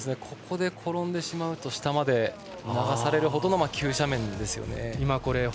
ここで転んでしまうと下まで流されるほどの急斜面です。